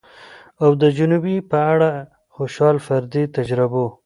او د محبوبې په اړه د خوشال فردي تجربو